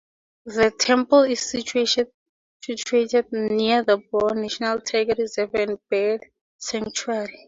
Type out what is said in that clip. The temple is situated near the Bor National Tiger Reserve and Bird sanctuary.